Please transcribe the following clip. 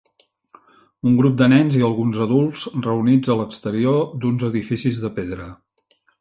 Un grup de nens i alguns adults reunits a l'exterior d'uns edificis de pedra.